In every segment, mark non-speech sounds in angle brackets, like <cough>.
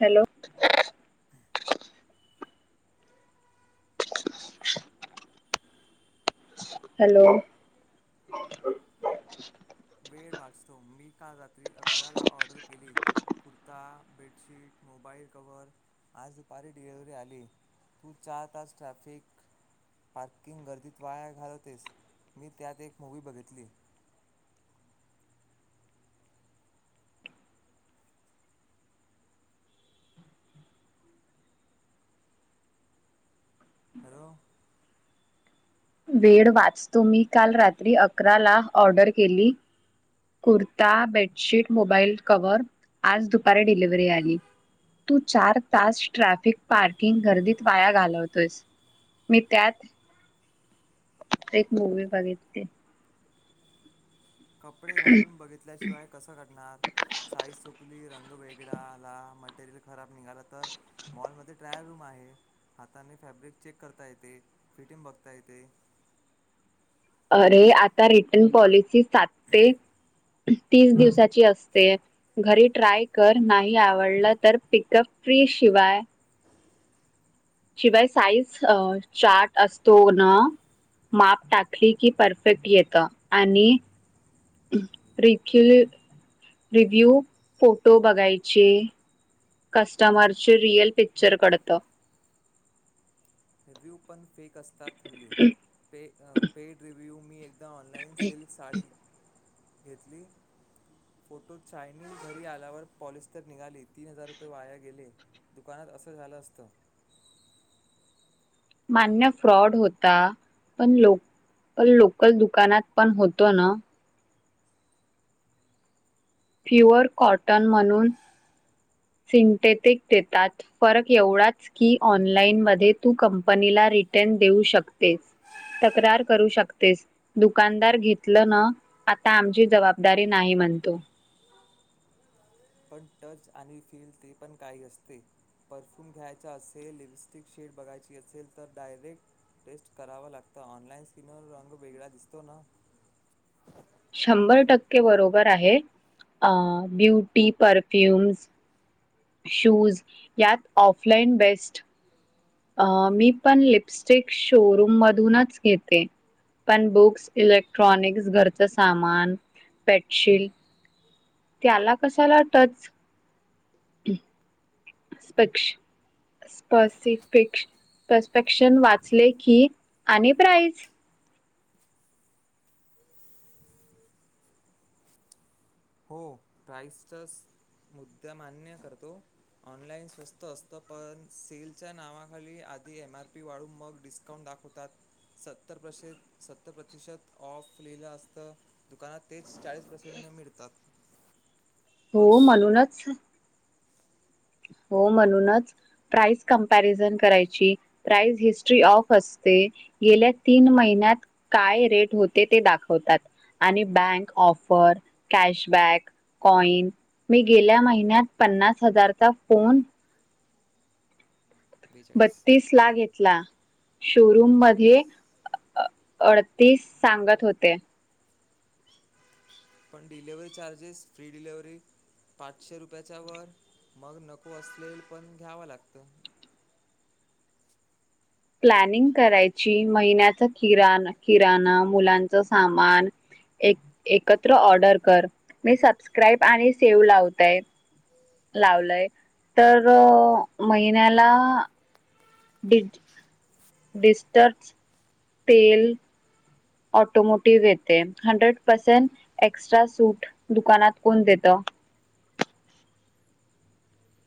Hello, hello. मी वाचतो मी काल रात्री अकराला ऑर्डर केली कुर्ता बेडशीट मोबाईल कवर आज दुपारी डिलव्हरी आली तू चार तास ट्रॅफिक पार्किंग गर्दीत वाया घालवतेस मी त्यात एक मूवी बघितली. हॅलो. वेळ वाचतो मी काल रात्री अकरा ला ऑर्डर केली कुर्ता, बेडशीट, मोबाईल कव्हर आज दुपारी डिलिव्हरी आली तू चार तास ट्रॅफिक पार्किंग गर्दीत वाया घालवतोयस मी त्यात एक मूवी बघितली. कपडे घालून बघितल्याशिवाय कस घडणार साईज चुकली रं वेगळा आला, मटेरियल खराब निघाल तर मॉलमध्ये ट्रायल रु वाहे हाताने फॅब्रिक चेक करता येते, फिटिंग बघता येते. अरे आता रिटन पॉलिसी सात ते तीस दिवसाची असते घरी ट्राय कर नाही आवडलं तर पिकअप फ्री शिवाय शिवाय साईज अ चार्ट असतो ना माप टाकली की परफेक्ट येत आणि <unintelligible> थ रिव्यू रिव्ह्यू फो तो बघायचे कस्टमरचे रिअल पिक्चर कडत. रिव्यू पन फेक कस्तात त हल्ली पे पेड रिव्ह्यू मी एक ऑनलाईन सिल्क साडी घेतली फोटो चाायनी घरी आल्यावर पॉलिस्टर निघाली तीन हजार रुपये वाया गेले दुकानात असं झालं असतं. मान्य फ्रॉड होता पण पण लोकल दुकानात पण होतो ना? प्युअर कॉटन म्हणून सिंटेटिक देतात फरक एवढाच की ऑनलाईन मध्ये तू कंपनीला रिटर्न देऊ शकतेतक्रार करू शकते दुकानदार घेतलं न आता आमची जबाबदारी नाही म्हणतो. पण टच आणि फील ते पण काही असते परफ्यूम घ्यायचा असेल लिपस्टिक शेड बघायची असेल तर डायरेक्ट टेस्ट करावा लागत ऑनलाइन स्किनवर रंग वेगळा दिसतो ना. शंभर टक्के बरोबर आहे अ ब्युटी परफ्युम्स. शूज यात ऑफलाइन बेस्ट. अ मी पण लिपस्टिक शोरूम मधूनच घेते. पण बुक्स इलेक्ट्रॉनिक्स घरचं सामान पेटशीट त्याला कशाला टच. <unintelligible> हो प्राइसचा मुद्दा मान्य करतो ऑनलाइन स्वस्त असत पण सेलच्या नावाखाली आधी एम आरपी वाढून मग डिस्काउंट दाखवतात सत्तर प्रसे सत्तर प्रतिशत ऑफ लिहिलं असत दुकानात तेच चाळीस पर्सेंट न मिळ हो म्हणूनच हो म्हणूनच प्राइज कमपॅरिझन करायची प्राइस हिस्ट्री ऑफ असते गेल्या तीन महिन्यात काय रेट होते ते दाखवतात आणि बँक ऑफर कॅशबॅक, कॉइन मी गेल्या महिन्यात पन्नास हजार चा फोन बेचाळीस बत्तीस ला <unintelligible> शोरूम बेचाळीस मध्ये अडतीस सांगत होते. पण डिलिव्हरी चार्जेस फ्री डिलेिव्हरी पाचशे रुपयाच्या वर मग नको असलेल पण घ्याव लागतं. प्लॅनिंग करायची महिन्याच किराण किराणा मुलांच सामान एक एकत्र ऑर्डर कर मी सबस्क्राईब आणि सेव्ह लावतय लावलय तर महिन्याला <unintelligible> डिस्टर् पेल ऑटोमोटिव्ह येते हंड्रेड पर्सेंट एक्स्ट्रा सूट दुकानात कोण देतं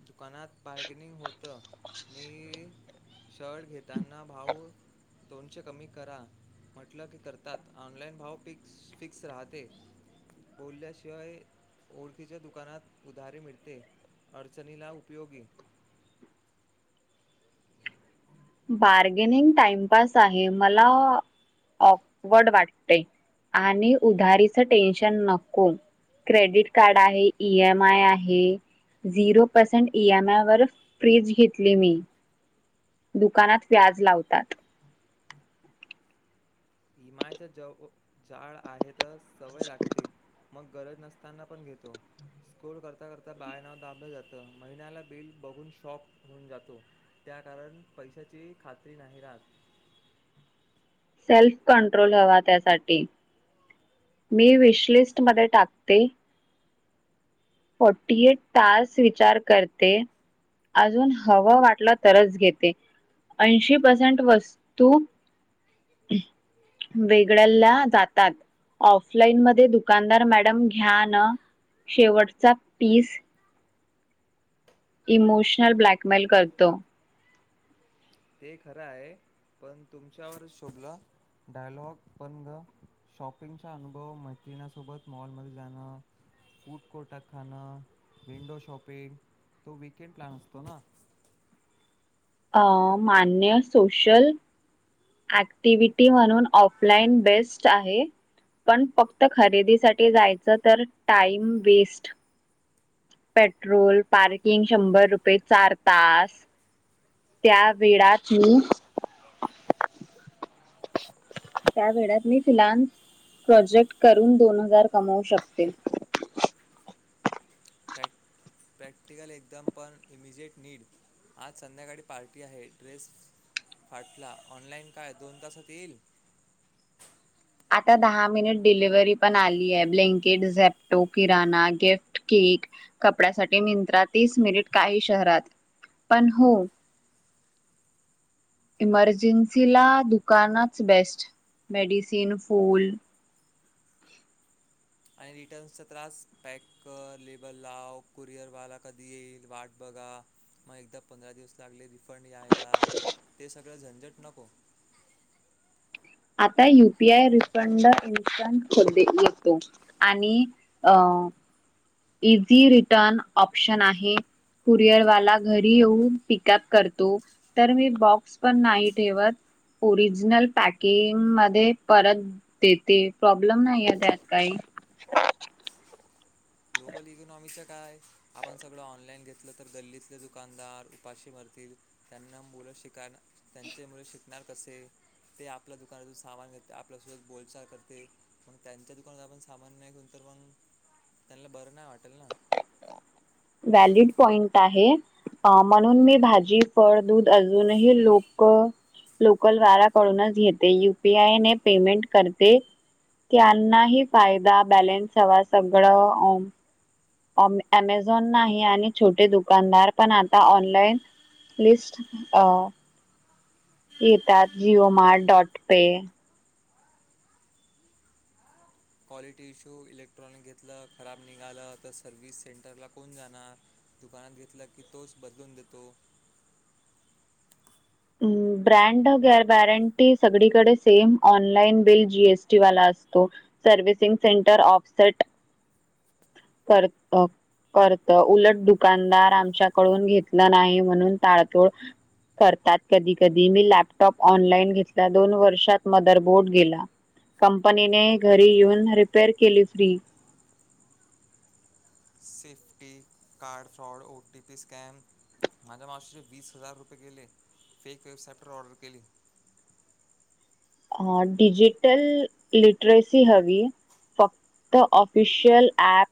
दुकानात बार्गेनिंग होत न शर्ट घेताना भाव दोनशे कमी करा म्हटलं की करतात ऑनलाईन भाव फिक्स राहते बोलल्याशिवाय ओळखीच्या दुकानात उधारी मिळते. <unintelligible> बार्गेनिंग टाइमपास आहे मला ऑकवर्ड वाटते आणि उधारीच टेन्शन नको क्रेडिट कार्ड आहे ई एम आय आहे. झिरो पर्सेंट ईम आय वर फ्रीज घेतली मी. दुकानात व्याज लावतात. इमायच्या ज जाळ आहे तर सवय लागते मग गरज नसताना पण घेतो स्कोर करता करता बाय नाव दाबलं जातं महिन्याला बिल बघून शॉक होऊन जातो त्या कारण पैशाची खात्री नाही राहत. सेल्फ कंट्रोल हवा त्यासाठी मी विशलिस्ट मध्ये टाकते. फोर्टी एट तास विचार करते अजून हवं वाटलं तरच घेते ऐंशी पेरसेन्ट वस्तू वेगळला जातात ऑफलाईन मध्ये दुकानदार मॅडम घ्या न शेवट. <unintelligible> इमोशनल ब्लॅकमेल करतो. ते खरं आहे. पण तुमच्यावरच शोभलं डायलॉग पण ग शॉपिंगचा अनुभव मैत्रिणीसोबत मॉल मध्ये जाणं फूट कोटा खाणं विंडो शॉपिंग तो वकेंड प्लान असतो ना. अं मान्य सोशल ऍक्टिव्हटी म्हणून ऑफलाइन बेस्ट आहे पण फक्त खरेदीसाठी जायचं तर टाइम वेस्ट, पेट्रोल, पार्किंग शंभर रुपये चार तास त्या वेळात मी त्यावेेळात मी फिलान्स प्रोजेक्ट करून दोन हजार कमावू शकते. प्रॅक्टिकल एकदम पण इमिजिएट नीड आज संध्याकाळी पार्टी आहे ड्रेस फाटला ऑनलाइन काय दोन तासात येईल? आता दहा मिनिट डिलिव्हरी पण आली आहे ब्लिंकीट, झेप्टो, किराणा, गिफ्ट, केक, कपड्यासाठी मिंत्रा तीस मिनिट काही शहरात पण हो.. इमर्जन्सीला दुकानाच बेस्ट मेडिसिन, फूल आणि रिटर्नचा त्रास पॅक लेबल लाव कुरिअर वाला कधी येईल वाट बघा मग एकदा पंधरा दिवस लागले. पण यायला ते झंझट नको. आता युपीआय रिफंड इनस्टंट कॅशबॅक येतो आणि अ इझी रिटर्न ऑप्शन आहे कुरिअरवाला घरी येऊन पिकअप करतो. तर मी बॉक्स पण नाही ठेवत ओरिजिनल पॅकिंग मध्ये परत देते प्रॉब्लेम नाही आहे त्यात काही. लोकल इकॉनॉमीकच काय आपण सगळं ऑनलाईन घेतलं तर गल्लीतले दुकानदार उपाशी मरतील त्यांना मुलं शिक त्यांच्या मुल शिकणार कसे ते आपल्या दुकानातून सामान घेत आपल्यासोबत बोलचाल करते मग त्यांच्या दुकानात आपण सामान नाही घेऊ तर मग त्यांना बरं नाय वाटणार. व्हॅलिड पॉइंट आहे म्हणून मी भाजी फळ दूध अजूनही लोक लोकल वाल्याकडूनच घेते युपीआय ने पेमेंट करते त्यांनाही फायदा बॅलेन्स हवा सगळं. अमेझॉन नाही आणि छोटे दुकानदार पण आता ऑनलाइन लिस्ट अ येतात जिओमार्ट डॉट पे क्वालिटी इश्यू. इलेक्ट्रॉनिक घेतलं, खराब निघालं तर सर्व्हिस सेंटरला कोण जाणार? दुकानात घेतलं की तोच बदलून देतो. ब्रँड <unintelligible> कधी कधी मी लॅपटॉप ऑनलाईन घेतला. दोन वर्षात मदर बोर्ड गेला, कंपनीने घरी येऊन रिपेअर केला. Safety, card fraud, O T P scam माझ्या मावशीचे वीस हजार रुपये गेले. फेक वेबसाईटवर ऑर्डर केली. अ डिजिटल लिटरसी हवी फक्त ऑफिशियल ऍप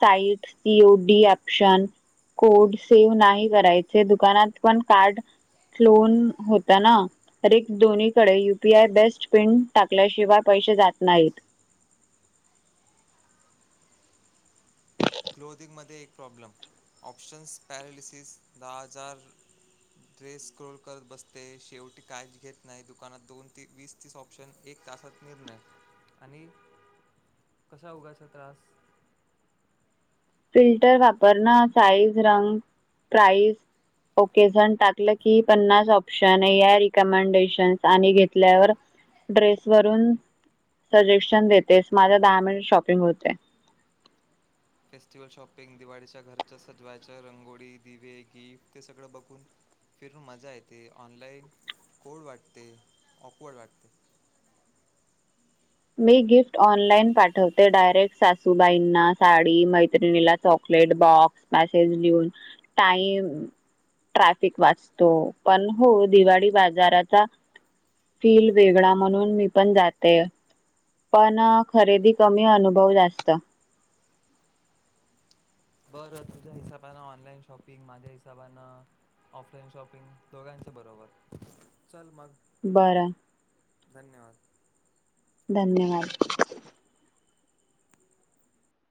साईट <unintelligible> <unintelligible> क्लोदिंगमध्ये एक प्रॉब्लेम. ऑप्शन्स, पॅरलिसिस, दहा हजार ड्रेस स्क्रोल करत बसते. शेवटी कायच घेत नाही. दुकानात दोन ते वीस तीस ऑप्शन, एक तासात निर्णय. आणि कशा उगाचच त्रास फिल्टर वापर ना साइज, रंग, प्राइस, ओकेजन टाकलं की पन्नास ऑप्शन्स या रिकमेंडेशन्स आणि घेतल्यावर ड्रेसवरून सजेशन देतेस. माझ्या दहा मिनिट शॉपिंग होते. फेस्टिवल शॉपिंग, दिवाळीच्या घरच्या सजवायच्या रंगोळी, दिवे, गिफ्ट ते सगळं बघून फिरून मजा येते. ऑनलाइन ओड वाटते, ऑकवर्ड वाटते. मी गिफ्ट ऑनलाईन पाठवते डायरेक्ट सासूबाईंना साडी, मैत्रिणीला चॉकलेट बॉक्स मॅसेज लिहून टाईम, ट्रॅफिक वाचतो. पण हो, दिवाळी बाजाराचा फील वेगळा म्हणून मी पण जाते. पण खरेदी कमी, अनुभव जास्त. बरं, तुझ्या हिसाबान ऑनलाईन शॉपिंग, माझ्या हिसाबान ऑफलाईन शॉपिंग दोघांच बरोबर. चल मग. बरं. धन्यवाद. धन्यवाद.